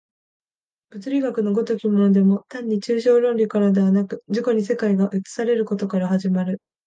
物理学の如きものでも単に抽象論理からではなく、自己に世界が映されることから始まる。